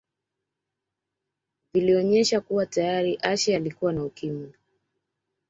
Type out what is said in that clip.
vilionesha kuwa tayari Ashe alikuwa na Ukimwi